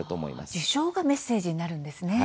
受賞がメッセージになるんですね。